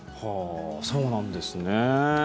そうなんですね。